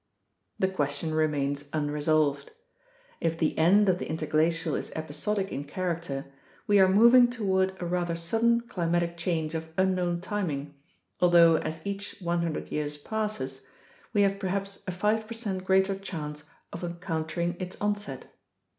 The question remains unresolved. If the end of the interglacial is episodic in character, we are moving .toward a rather sudden climatic change of unknown timing, although as each 100 years passes, we have perhaps a 5 percent greater chance of encountering its onset.